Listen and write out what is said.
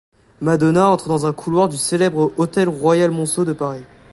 Madonna entre dans un couloir du célèbre Hôtel Royal Monceau de Paris.